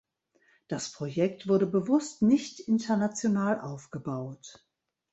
Das Projekt wurde bewusst nicht international aufgebaut.